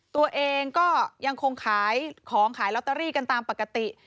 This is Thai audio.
ตัวเองก็ยังคงขายของขายลอตเตอรี่กันตามปกติ